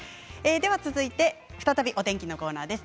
続いて再びお天気のコーナーです